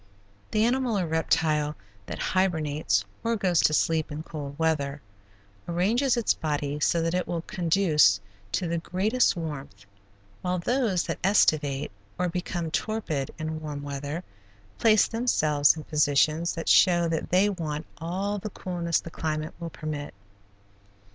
The animal or reptile that hibernates, or goes to sleep in cold weather, arranges its body so that it will conduce to the greatest warmth, while those that estivate, or become torpid in warm weather, place themselves in positions that show that they want all the coolness the climate will permit.